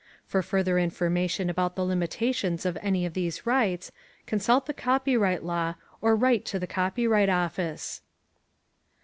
For further information about the limitations of any of these rights, consult the copyright law or write to the Copyright Office.